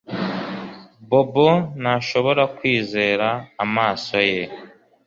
Bobo ntashobora kwizera amaso ye